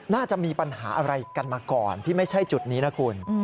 น่าจะมีปัญหาอะไรกันมาก่อนที่ไม่ใช่จุดนี้นะคุณ